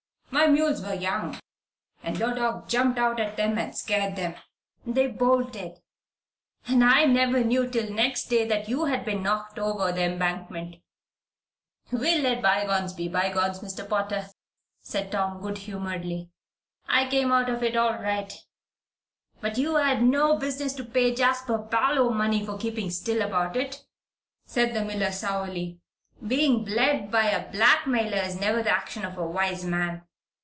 My mules were young, and your dog jumped out at them and scared them. They bolted, and I never knew till next day that you had been knocked over the embankment." "We'll let bygones be bygones, Mr. Potter," said Tom, good humoredly. "I came out of it all right." "But you had no business to pay Jasper Parloe money for keeping still about it," said the miller, sourly. "Being bled by a blackmailer is never the action of a wise man.